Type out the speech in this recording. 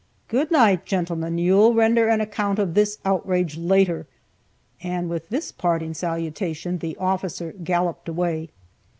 "Good night, gentlemen; you'll render an account for this outrage later;" and with this parting salutation, the officer galloped away.